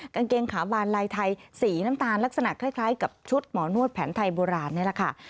กางเกงขาบานลายไทยสีน้ำตาลลักษณะคล้ายกับชุดหมอนวดแผนไทยโบราณนี่แหละค่ะ